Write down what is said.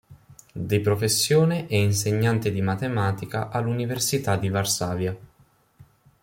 Di professione è insegnante di matematica all'Università di Varsavia.